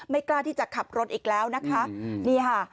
ไม่กล้าที่จะขับรถอีกแล้วนะครับ